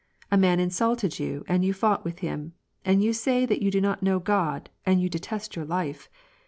A man insulted you, and you fought with him, and you say that you do not know God, and that you detest your life.